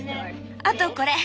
あとこれ。